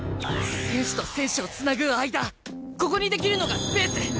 選手と選手をつなぐ間ここに出来るのがスペース。